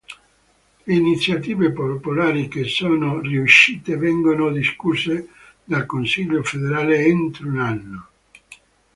Le iniziative popolari che sono riuscite vengono discusse dal Consiglio federale entro un anno.